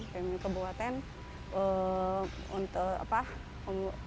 pmi kabupaten untuk mengurus